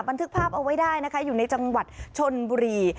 บันทึกภาพเอาไว้ได้นะคะอยู่ในจังหวัดชนบุรี